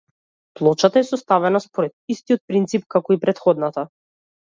Плочата е составена според истиот принцип како и претходната.